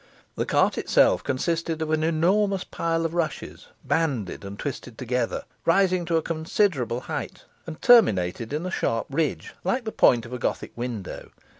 The cart itself consisted of an enormous pile of rushes, banded and twisted together, rising to a considerable height, and terminated in a sharp ridge, like the point of a Gothic window.